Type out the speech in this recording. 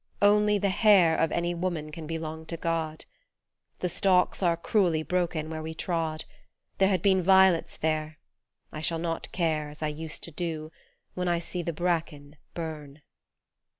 Only the hair Of any woman can belong to God. The stalks are cruelly broken where we trod, There had been violets there, I shall not care As I used to do when I see the bracken burn.